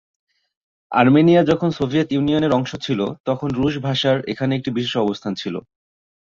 Armenia যখন Soviet ইউনিয়নের অংশ ছিল তখন রুশ ভাষার এখানে একটি বিশেষ অবস্থান ছিল।